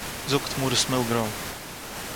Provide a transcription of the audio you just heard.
זאָגט מרת מילגרוים